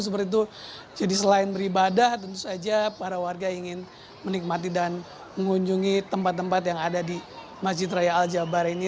seperti itu jadi selain beribadah tentu saja para warga ingin menikmati dan mengunjungi tempat tempat yang ada di masjid raya al jabar ini